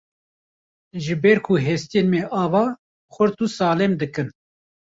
Ji ber ku hestiyên me ava, xurt û saxlem dikin.